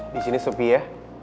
di sini supi ya